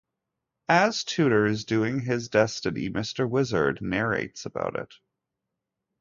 As Tooter is doing his destiny, Mr. Wizard narrates about it.